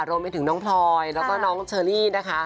รวมไปถึงน้องพลอยแล้วก็น้องเชอรี่นะคะ